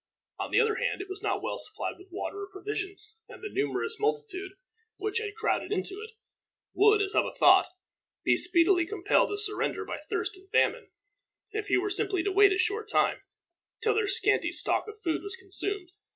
On the other hand, it was not well supplied with water or provisions, and the numerous multitude which had crowded into it, would, as Hubba thought, be speedily compelled to surrender by thirst and famine, if he were simply to wait a short time, till their scanty stock of food was consumed.